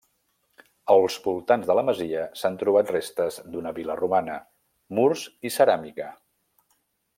Als voltants de la masia s'han trobat restes d'una vila romana -murs i ceràmica-.